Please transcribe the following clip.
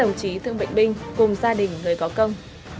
đồng chí thương bệnh binh cùng gia đình người có công